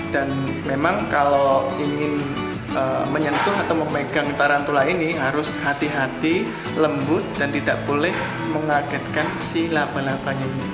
dan memang kalau ingin menyentuh atau memegang tarantula ini harus hati hati lembut dan tidak boleh mengagetkan si lapang lapang ini